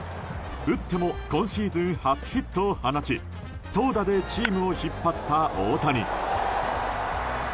打っても今シーズン初ヒットを放ち投打でチームを引っ張った大谷。